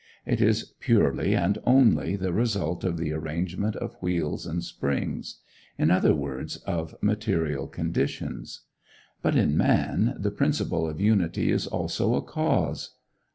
It is purely and only the result of the arrangement of wheels and springs; in other words, of material conditions. But in man, the principle of unity is also a cause.